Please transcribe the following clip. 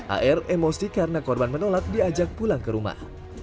ar emosi karena korban menolak diajak pulang ke rumah